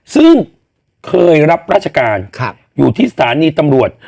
ซึ่งเคยรับราชการอยู่ที่สถานีตำรวจ